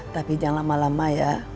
tapi jangan lama lama ya